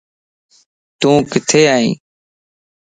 تو ڪٿي ائي؟